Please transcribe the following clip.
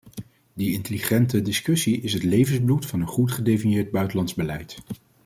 Die intelligente discussie is het levensbloed van een goed gedefinieerd buitenlands beleid.